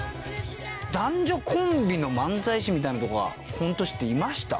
男女コンビの漫才師みたいなのとかコント師っていました？